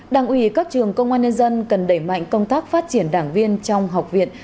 đảng ủy các trường công an nhân dân cần đẩy mạnh công tác phát triển đảng viên trong học viện